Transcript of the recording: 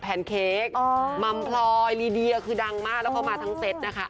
แนนเค้กมัมพลอยลีเดียคือดังมากแล้วเขามาทั้งเซตนะคะ